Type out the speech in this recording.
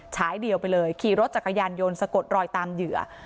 ฉายเดียวไปเลยขี่รถจักรยานยนต์สะกดรอยตามเหยื่อ